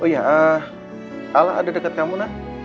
oh iya alah ada dekat kamu na